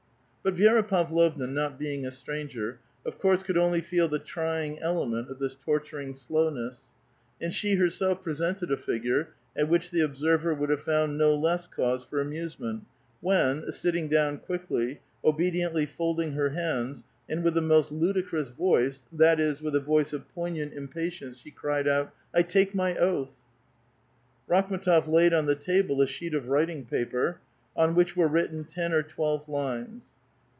But Vi6ra Pavlovna, not being a stranger, of course could only feel the trying element of this torturing slowness, and she herself presented a figure at which the observer would have found no less cause for amusement, when, sitting down quickly, obediently folding her hands, and with the most ludicrous voice, that is, with a voice of poignant impatience, she cried out, '* I take mv oath !" Rakhm^tof laid on the table a sheet of writing paper, on which were written ten or twelve lines.